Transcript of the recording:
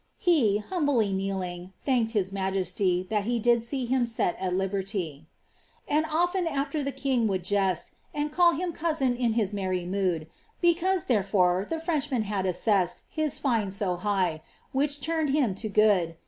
He, humbly kneeling, tlianked his majesty Tliat he did see him sot at libitrty. And oAen after that the king would jest And call him cousin in his merry mood, Because, therefore, the Frenchmen had assest His fine so high, which turned him to good.